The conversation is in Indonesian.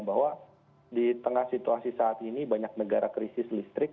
bahwa di tengah situasi saat ini banyak negara krisis listrik